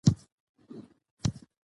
د عقل تړښت معقول کار نه ښکاري